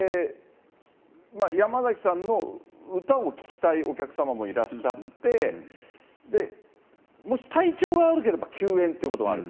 山崎さんの歌を聴きたいお客様もいらっしゃって、もし体調が悪ければ休演ということもある。